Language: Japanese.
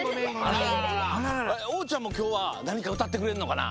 おうちゃんもきょうはなにかうたってくれるのかな？